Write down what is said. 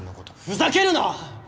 ふざけるな！